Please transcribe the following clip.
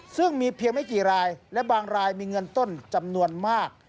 ซึ่งมีเพียงไม่กี่รายและบางรายมีเงินต้นจำนวนมาก